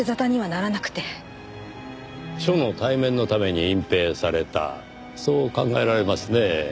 署の体面のために隠蔽されたそう考えられますねぇ。